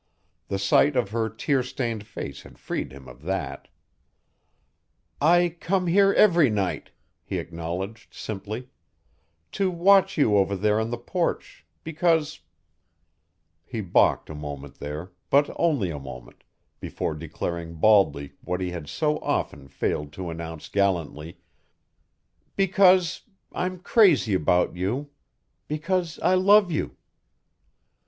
The sight of her tear stained faced had freed him of that. "I come here every night," he acknowledged simply, "to watch you over there on the porch because " He balked a moment there, but only a moment, before declaring baldly what he had so often failed to announce gallantly "Because I'm crazy about you because I love you."